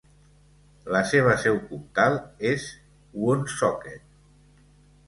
La seva seu comtal és Woonsocket.